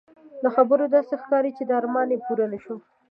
له خبرو داسې ښکاري چې دا ارمان یې پوره نه شو.